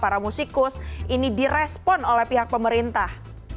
para promotor para musikus ini direspon oleh pihak pemerintah